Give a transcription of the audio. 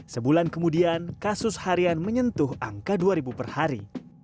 sebulan kemudian kasus harian menyentuh angka dua ribu per hari